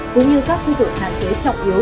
cũng như các khu vực hạn chế trọng yếu